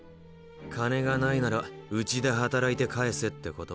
金がないなら「うちで働いて返せ」ってこと。